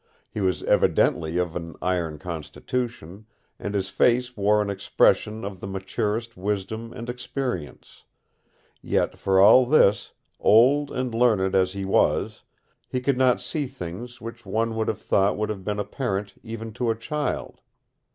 He was evidently of an iron constitution, and his face wore an expression of the maturest wisdom and experience; yet for all this, old and learned as he was, he could not see things which one would have thought would have been apparent even to a child.